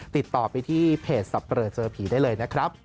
ติดต่อไปที่เพจสับเลอเจอผีได้เลยนะครับ